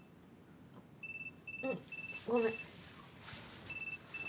うんごめん。